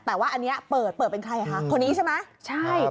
แต่ว่าอันนี้เปิดเปิดเป็นใครคะคนนี้ใช่ไหมใช่